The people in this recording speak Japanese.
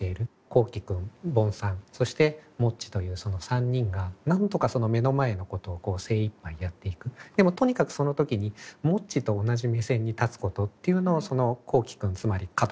コーキ君ボンさんそしてもっちというその３人がなんとかその目の前のことを精いっぱいやっていくでもとにかくその時にもっちと同じ目線に立つことっていうのをそのコーキ君つまりカトーさんですね